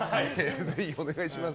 ぜひ、お願いします。